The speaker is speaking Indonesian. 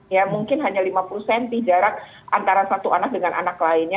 ya mungkin hanya lima puluh cm jarak antara satu anak dengan anak lainnya